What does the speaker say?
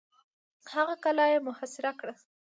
هغه قلا یې محاصره کړه.